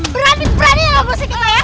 berani berani lah muluin kita ya